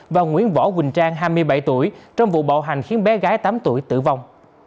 và nguyễn võ quỳnh trang hai mươi bảy tuổi trong vụ bạo hành khiến bé gái tám tuổi tử vong